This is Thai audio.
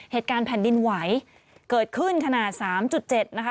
เหตุการณ์แผ่นดินไหวเกิดขึ้นขนาด๓๗นะคะ